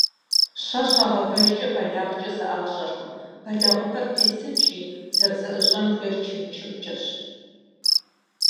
Щэ щагъэвэжкӀэ бэлагъкӀэ зэӀащӀэркъым, бэлагъыпэр песыкӀри - зэрызэӀыщӀэн хуейр чымчыркӀэщ.